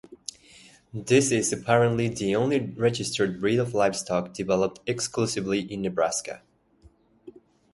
This is apparently the only registered breed of livestock developed exclusively in Nebraska.